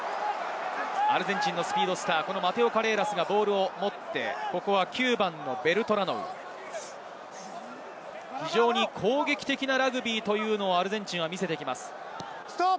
アルゼンチンのスピードスター、マテオ・カレーラスがボールを持って、９番のベルトラノウを非常に攻撃的なラグビーをアルゼンチンは見せてきます。